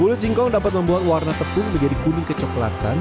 bulut singkong dapat membuat warna tepung menjadi kuning kecoklatan